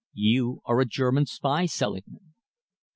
You are a German spy, Selingman."